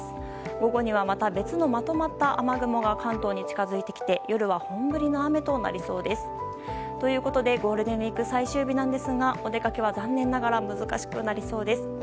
午後にはまた別のまとまった雨雲が関東に近づいてきて夜は本降りの雨となりそうです。ということでゴールデンウィーク最終日ですがお出かけは残念ながら難しくなりそうです。